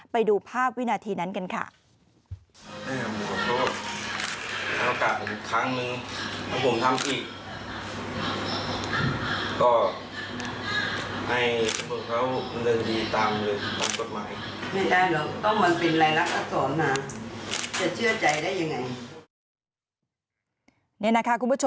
ไม่ได้หรอกต้องมันเป็นแรงลักษณ์อักษรมาจะเชื่อใจได้ยังไง